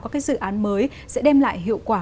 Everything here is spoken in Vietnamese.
các cái dự án mới sẽ đem lại hiệu quả